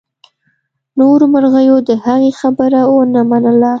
نورو مرغیو د هغې خبره ونه منله.